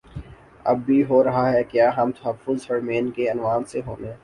اب بھی ہو رہاہے کیا ہم تحفظ حرمین کے عنوان سے ہونے